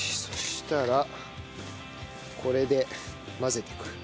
そしたらこれで混ぜていく。